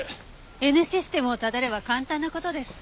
Ｎシステムをたどれば簡単な事です。